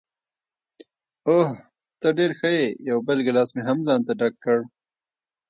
اوه، ته ډېره ښه یې، یو بل ګیلاس مې هم ځانته ډک کړ.